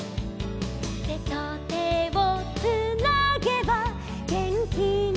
「てとてをつなげばげんきがでるのさ」